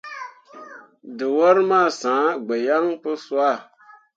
Dǝwor ma sãã gbo yaŋ pu sah.